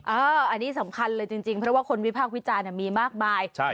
อันนี้สำคัญเลยจริงเพราะว่าคนวิพากษ์วิจารณ์มีมากมาย